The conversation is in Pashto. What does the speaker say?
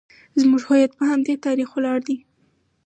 زموږ هویت په همدې تاریخ ولاړ دی